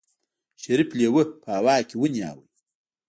شريف لېوه په هوا کې ونيو.